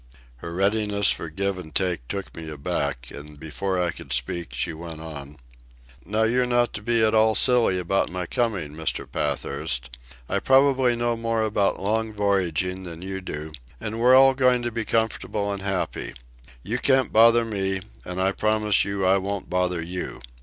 Her readiness for give and take took me aback, and before I could speak she went on: "Now you're not to be at all silly about my coming, Mr. Pathurst. I probably know more about long voyaging than you do, and we're all going to be comfortable and happy. You can't bother me, and I promise you I won't bother you.